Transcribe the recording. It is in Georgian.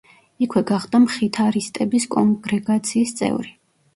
იქვე გახდა მხითარისტების კონგრეგაციის წევრი.